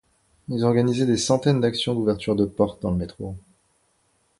Ils ont organisé des centaines d'action d'ouvertures de portes dans le métro.